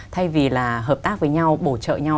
thay vì là hợp tác với nhau bổ trợ nhau